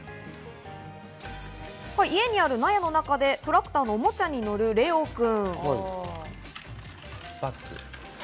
家にある納屋の中でトラクターのおもちゃに乗るれおくん。